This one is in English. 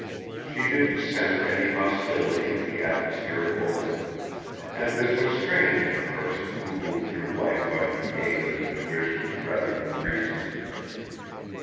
She didn't scent any hostility in the atmosphere of Overton; and this was strange in a person who moved through life by the aid of intuitions rather than reasons.